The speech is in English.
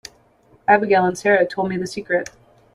Abigail and Sara told me the secret.